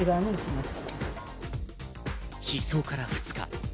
失踪から２日。